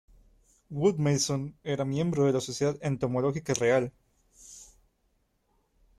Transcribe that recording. Wood-Mason era miembro de la Sociedad Entomológica Real.